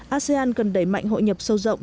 asean cần đẩy mạnh hội nhập sâu rộng